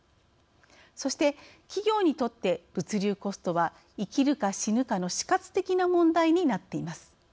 そして企業にとって物流コストは生きるか死ぬかの死活的な問題になっています。